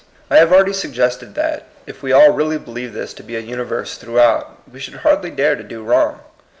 I have already suggested that, if we all really believed this to be a universe throughout, we should hardly dare to do wrong.